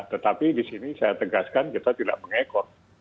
tetapi disini saya tegaskan kita tidak mengekor